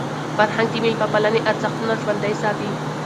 فرهنګ د میلمه پالني ارزښتونه ژوندۍ ساتي.